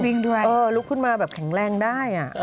ด้วยเออลุกขึ้นมาแบบแข็งแรงได้